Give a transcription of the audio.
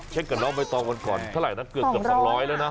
เช็คเงินรอบไปตอนวันก่อนเท่าไหร่น่ะเกือบเกือบสองร้อยแล้วน่ะ